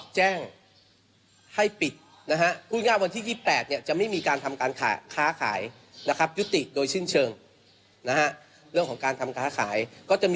ฟังเสียงเพิ่มในการเขตประเวทกันค่ะ